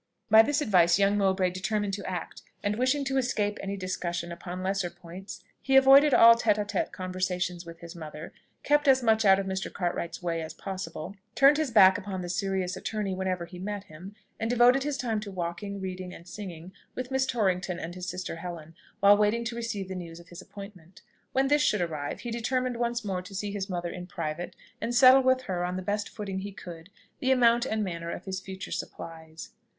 By this advice young Mowbray determined to act; and wishing to escape any discussion upon lesser points, he avoided all tête à tête conversations with his mother, kept as much out of Mr. Cartwright's way as possible, turned his back upon the serious attorney whenever he met him, and devoted his time to walking, reading, and singing, with Miss Torrington and his sister Helen, while waiting to receive the news of his appointment. When this should arrive, he determined once more to see his mother in private, and settle with her, on the best footing he could, the amount and manner of his future supplies.